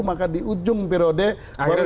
maka di ujung periode baru bisa masuk